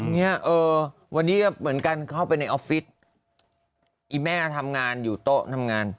เนี้ยเออวันนี้ก็เหมือนกันเข้าไปในออฟฟิศอีแม่ทำงานอยู่โต๊ะทำงาน